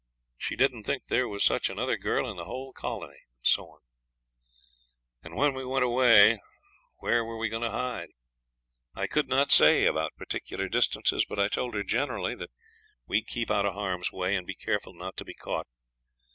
She didn't think there was such another girl in the whole colony, and so on. And when we went away where were we going to hide? I could not say about particular distances, but I told her generally that we'd keep out of harm's way, and be careful not to be caught.